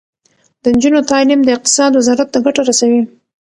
د نجونو تعلیم د اقتصاد وزارت ته ګټه رسوي.